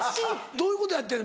どういうことやってんの？